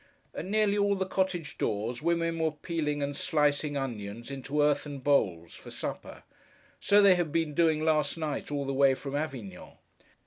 At nearly all the cottage doors, women were peeling and slicing onions into earthen bowls for supper. So they had been doing last night all the way from Avignon.